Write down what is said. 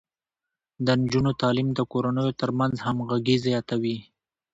د نجونو تعليم د کورنيو ترمنځ همغږي زياتوي.